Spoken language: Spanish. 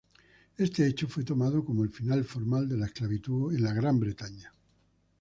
Este hecho fue tomado como el final formal de la esclavitud en Gran Bretaña.